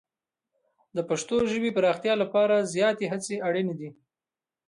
د پښتو ژبې پراختیا لپاره زیاتې هڅې اړینې دي.